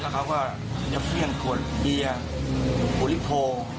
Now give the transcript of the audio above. เขาก็อยากซ่วนคนเหี้ยบุหริโท